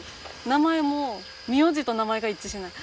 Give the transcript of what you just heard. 名前も名字と名前が一致しない。